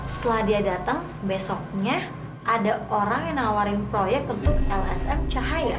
setelah dia datang besoknya ada orang yang nawarin proyek untuk lsm cahaya